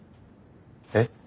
えっ？